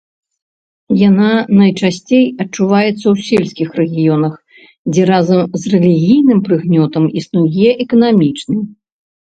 Яна найчасцей адчуваецца ў сельскіх раёнах, дзе разам з рэлігійным прыгнётам існуе эканамічны.